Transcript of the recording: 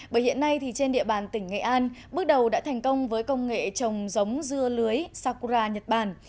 bởi hiện nay trên địa bàn tỉnh nghệ an bước đầu đã thành công với công nghệ trồng giống dưa lưới sakura nhật bản